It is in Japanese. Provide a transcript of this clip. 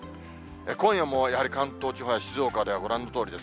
今夜もやはり関東地方や静岡では、ご覧のとおりです。